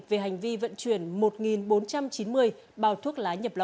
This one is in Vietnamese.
về hành vi vận chuyển một bốn trăm chín mươi bào thuốc